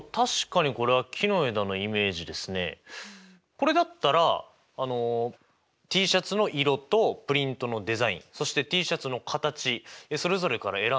これだったらＴシャツの色とプリントのデザインそしてＴシャツの形それぞれから選んで数えられそうですね。